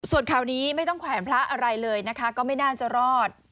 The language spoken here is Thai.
ส่วนข่าวนี้ไม่ต้องแขวนพระอะไรเลยนะคะก็ไม่น่าจะรอด